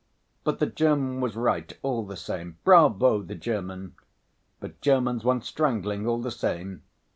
But the German was right all the same. Bravo the German! But Germans want strangling all the same.